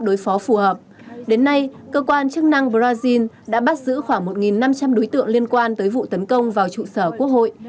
đối phó phù hợp đến nay cơ quan chức năng brazil đã bắt giữ khoảng một năm trăm linh đối tượng liên quan tới vụ tấn công vào trụ sở quốc hội